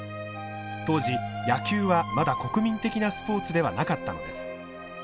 当時野球はまだ国民的なスポーツではなかったのです。